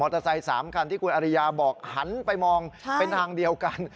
เตอร์ไซค์๓คันที่คุณอริยาบอกหันไปมองเป็นทางเดียวกัน